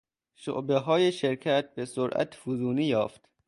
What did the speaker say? شعبههای شرکت به سرعت فزونی یافت.